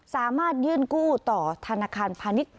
สามารถยื่นกู้ต่อธนาคารพาณิชย